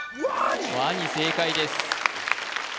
ワニ正解です